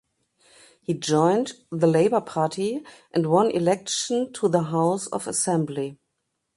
He joined the Labour Party and won election to the House of Assembly.